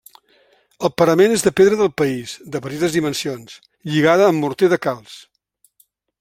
El parament és de pedra del país, de petites dimensions, lligada amb morter de calç.